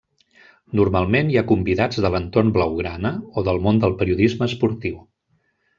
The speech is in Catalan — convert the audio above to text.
Normalment, hi ha convidats de l'entorn blaugrana o del món del periodisme esportiu.